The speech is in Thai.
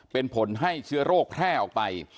เป็นผลให้เชื้อโรคแพร่ออกไป